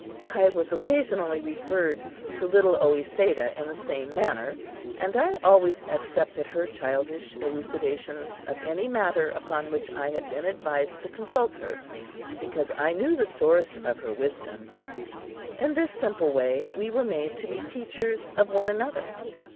I was occasionally referred to little Oesedah in the same manner, and I always accepted her childish elucidations of any matter upon which I had been advised to consult her, because I knew the source of her wisdom. In this simple way we were made to be teachers of one another.